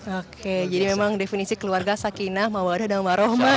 oke jadi memang definisi keluarga sakinah mawadah dan warohmat